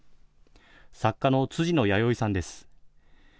作家の辻野弥生さんです。